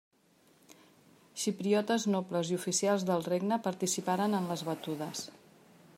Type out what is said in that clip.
Xipriotes nobles i oficials del regne participaren en les batudes.